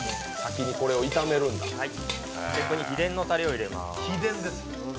ここに秘伝のタレを入れます。